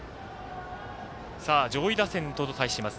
上位打線と対します。